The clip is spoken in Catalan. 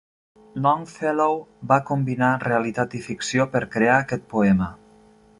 Longfellow va combinar realitat i ficció per crear aquest poema.